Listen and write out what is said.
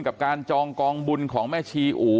กับการจองกองบุญของแม่ชีอู๋